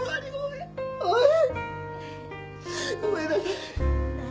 ごめんなさい。